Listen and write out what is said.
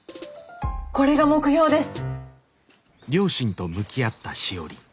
これが目標です。